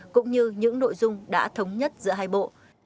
cũng như những nội dung đã thống nhất giữa hai bộ